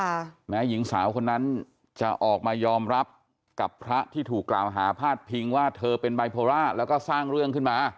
แม้หญิงสาวคนนั้นจะออกมายอมรับกับพระที่ถูกกล่าวหาพาดพิงว่าเธอเป็นไบโพล่าแล้วก็สร้างเรื่องขึ้นมา